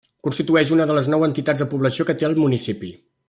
Constitueix una de les nou entitats de població que té el municipi.